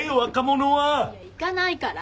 いや行かないから！